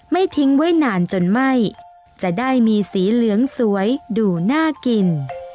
ทิ้งไว้นานจนไหม้จะได้มีสีเหลืองสวยดูน่ากิน